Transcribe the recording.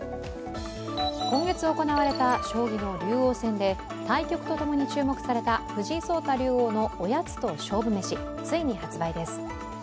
今月行われた将棋の竜王戦で対局と共に注目された藤井聡太竜王のおやつと勝負めしついに発売です。